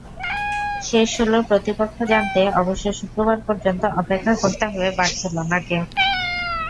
শেষ ষোলোর প্রতিপক্ষ জানতে অবশ্য শুক্রবার পর্যন্ত অপেক্ষা করতে হবে বার্সেলোনাকে।